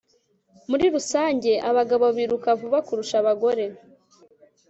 Muri rusange abagabo biruka vuba kurusha abagore